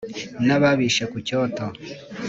N'ababishe ku cyoto,